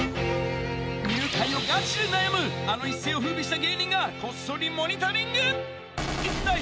入会をがちで悩むあの一世をふうびした芸人がこっそりモニタリング。